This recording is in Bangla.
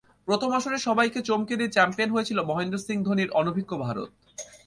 প্রথম আসরে সবাইকে চমকে দিয়ে চ্যাম্পিয়ন হয়েছিল মহেন্দ্র সিং ধোনির অনভিজ্ঞ ভারত।